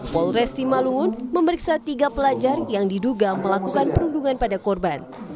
polres simalungun memeriksa tiga pelajar yang diduga melakukan perundungan pada korban